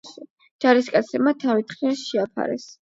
ჯარისკაცებმა თავი თხრილს შეაფარეს.